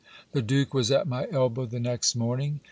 The duke was at my elbow the next morning.